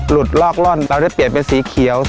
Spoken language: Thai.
ลอกล่อนเราได้เปลี่ยนเป็นสีเขียว